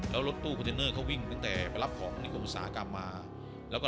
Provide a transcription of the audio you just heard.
แล้วรถตู้คอนเทนเนอร์เขาวิ่งตั้งแต่ไปรับของนิคมอุตสาหกรรมมาแล้วก็